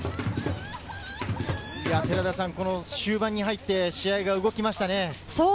終盤に入って試合が動きましたね。